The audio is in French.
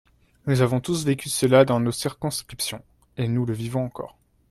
Nous avons tous vécu cela dans nos circonscriptions, et nous le vivons encore.